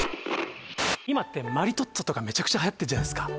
今ってマリトッツォとかメチャクチャはやってるじゃないですか